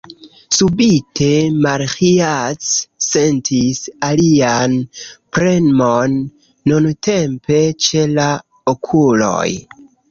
Subite, Maĥiac sentis alian premon, nuntempe ĉe la okuloj.